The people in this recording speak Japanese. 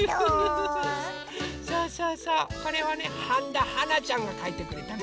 そうそうそうこれはねはんだはなちゃんがかいてくれたの。